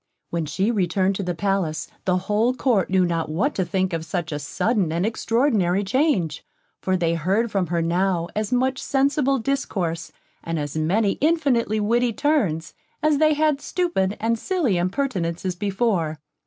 When she returned to the palace, the whole Court knew not what to think of such a sudden and extraordinary change; for they heard from her now as much sensible discourse, and as many infinitely witty turns, as they had stupid and silly impertinences before.